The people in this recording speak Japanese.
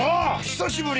久しぶり。